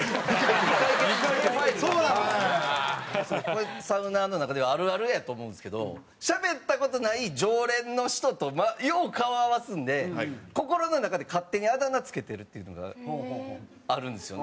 これサウナーの中ではあるあるやと思うんですけどしゃべった事ない常連の人とよう顔合わすんで心の中で勝手にあだ名付けてるっていうのがあるんですよ。